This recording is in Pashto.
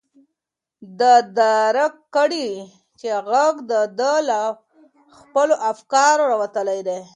ده درک کړه چې غږ د ده له خپلو افکارو راوتلی و.